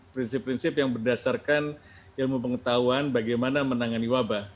prinsip prinsip yang berdasarkan ilmu pengetahuan bagaimana menangani wabah